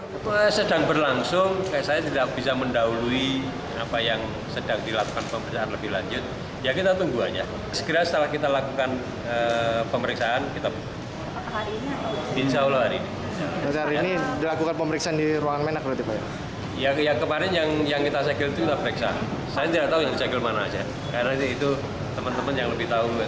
karena itu teman teman yang lebih tahu